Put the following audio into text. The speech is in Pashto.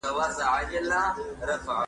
شريعت په کومو ځايونو کي جماع منع کړې ده؟